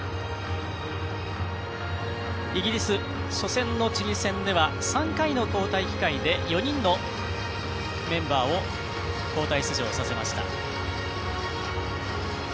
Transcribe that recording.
イギリス、初戦のチリ戦では３回の交代機会で４人のメンバーを交代出場させました。